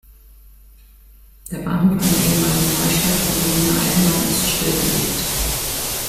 Der Bahnhof an der ehemaligen Neustadt-Gogoliner Eisenbahn ist stillgelegt.